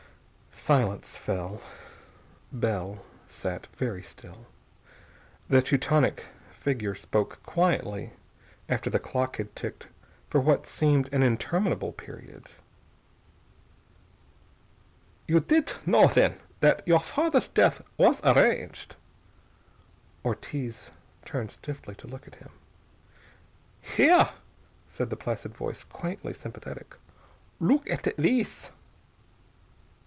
Silence fell. Bell sat very still. The Teutonic figure spoke quietly after the clock had ticked for what seemed an interminable period. "You didt know, then, that your father's death was arranged?" Ortiz turned stiffly to look at him. "Here," said the placid voice, quaintly sympathetic. "Look at these."